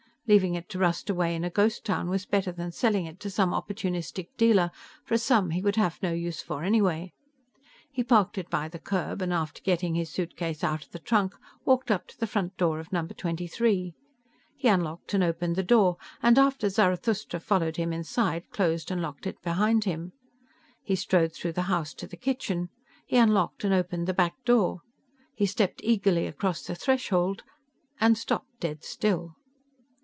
Leaving it to rust away in a ghost town was better than selling it to some opportunistic dealer for a sum he would have no use for anyway. He parked it by the curb, and after getting his suitcase out of the trunk, walked up to the front door of Number 23. He unlocked and opened the door, and after Zarathustra followed him inside, closed and locked it behind him. He strode through the house to the kitchen. He unlocked and opened the back door. He stepped eagerly across the threshold and stopped dead still.